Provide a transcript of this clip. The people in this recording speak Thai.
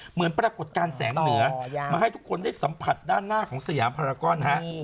เหมือนปรากฏการณ์แสงเหนือมาให้ทุกคนได้สัมผัสด้านหน้าของสยามภารกรฮะ